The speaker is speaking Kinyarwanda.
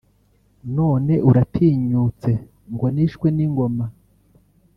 none uratinyutse ngo nishwe n'ingoma